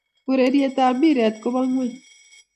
ureriet ap mpiret kopo ngueny